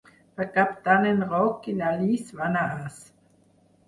Per Cap d'Any en Roc i na Lis van a Asp.